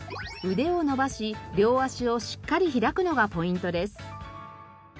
腕を伸ばし両足をしっかり開くのがポイントです。